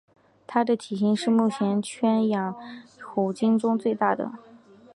它的体型是目前圈养虎鲸中最大的。